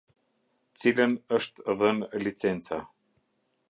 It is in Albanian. Cilën është dhënë licenca.